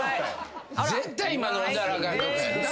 絶対今飲んだらあかんとこや。